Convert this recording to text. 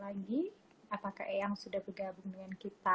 coba kita cek lagi apakah yang sudah bergabung dengan kita